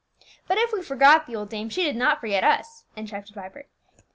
"But if we forgot the old dame, she did not forget us," interrupted Vibert.